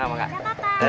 selamat malam kak